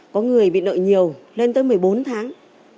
có người bị nợ nhiều lên tới một mươi bốn tháng